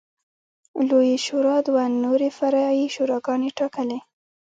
لویې شورا دوه نورې فرعي شوراګانې ټاکلې